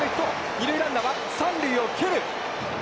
二塁ランナーは、三塁を蹴る。